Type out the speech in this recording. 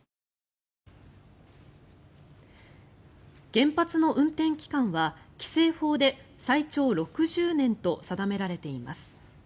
原発の運転期間は規制法で最長６０年と定められています。